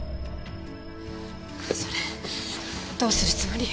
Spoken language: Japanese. それどうするつもり？